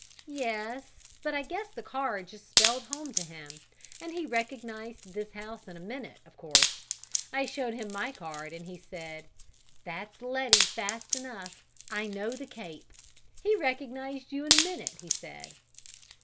"Yes, but I guess the card just spelled home to him; and he recognized this house in a minute, of course. I showed him my card and he said: 'That's Letty fast enough: I know the cape.' He recognized you in a minute, he said."